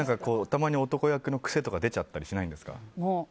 たまに男役の癖とか出たりしないんですか？